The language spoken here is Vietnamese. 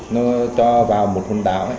nó cho vào một hòn đảo